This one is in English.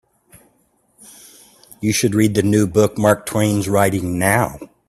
You should read the new book Mark Twain's writing now.